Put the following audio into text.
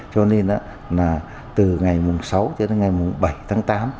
cho nên là từ ngày sáu cho đến ngày bảy tháng tám